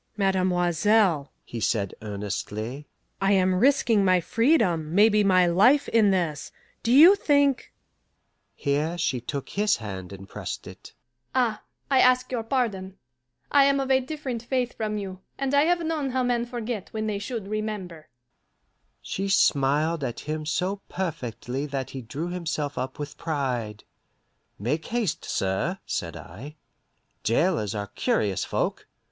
"Mademoiselle," he said earnestly, "I am risking my freedom, maybe my life, in this; do you think " Here she took his hand and pressed it. "Ah, I ask your pardon. I am of a different faith from you, and I have known how men forget when they should remember." She smiled at him so perfectly that he drew himself up with pride. "Make haste, sir," said I. "Jailers are curious folk."